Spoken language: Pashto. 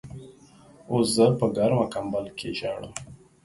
اوس زه په ګرمه کمبل کې ژاړم.